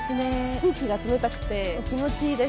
空気が冷たくて気持ちいいです。